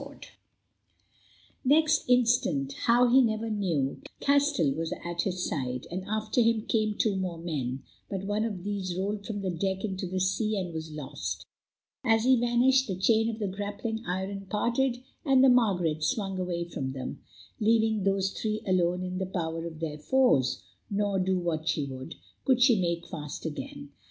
The gale caught him and blew him to and fro Next instant—how, he never knew—Castell was at his side, and after him came two more men, but one of these rolled from the deck into the sea and was lost. As he vanished, the chain of the grappling iron parted, and the Margaret swung away from them, leaving those three alone in the power of their foes, nor, do what she would, could she make fast again.